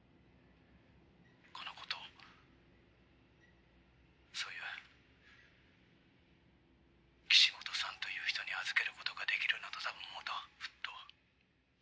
このことをそういう岸本さんという人に預けることができるのだと思うとふっと。